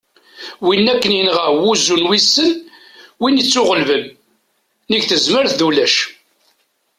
win akken yenɣa "wuzzu n wissen", win ittuɣellben : nnig tezmert d ulac